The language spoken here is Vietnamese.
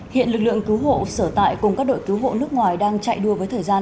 hiện lực lượng cứu hộ sở tại cùng các đội cứu hộ nước ngoài đang chạy đua với thời gian